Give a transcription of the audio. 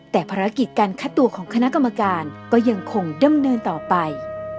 แต่ภารกิจการคัดตัวของคณะกรรมการก็ยังคงดำเนินต่อไป